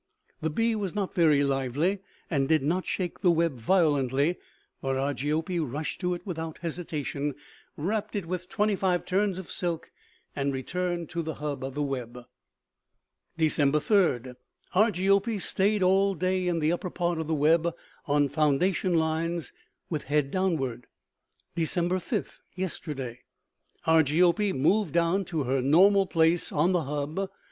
The bee was not very lively and did not shake the web violently, but Argiope rushed to it without hesitation, wrapped it with twenty five turns of silk and returned to the hub of the web. "Dec. 3; Argiope stayed all day in the upper part of the web, on foundation lines, with head downward. "Dec. 5; yesterday Argiope moved down to her normal place on the hub.